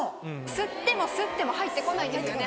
吸っても吸っても入ってこないんですよね